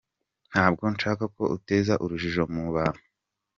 Ntabwo nshaka ko uteza urujijo mu bantu.